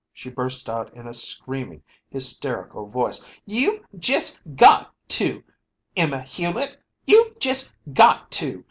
She burst out in a screaming, hysterical voice: "You've just got to, Emma Hulett! You've just got to!